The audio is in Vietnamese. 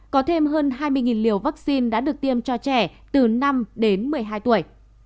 có thêm hơn hai mươi liều vaccine đã được tiêm cho trẻ từ năm đến một mươi hai tuổi